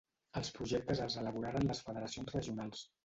Els projectes els elaboraren les federacions regionals.